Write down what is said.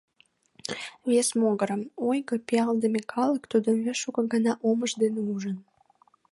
Вес могырым: ойго, пиалдыме калык — тудым вет шуко гана омыж дене ужын.